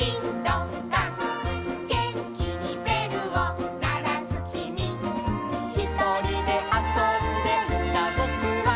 「げんきにべるをならすきみ」「ひとりであそんでいたぼくは」